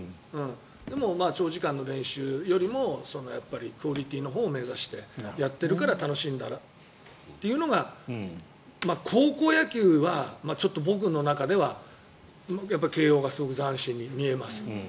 でも、長時間の練習よりもクオリティーのほうを目指してやっているから楽しいんだというのが高校野球は僕の中では慶応が斬新に見えます。